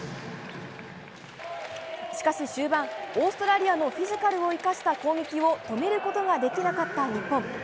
しかし終盤、オーストラリアのフィジカルを生かした攻撃を止めることができなかった日本。